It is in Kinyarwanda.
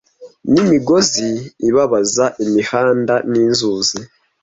n'imigozi ibabaza imihanda n'inzuzi